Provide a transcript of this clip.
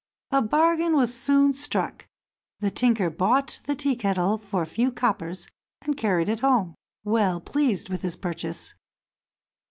A bargain was soon struck; the tinker bought the Tea kettle for a few coppers, and carried it home, well pleased with his purchase.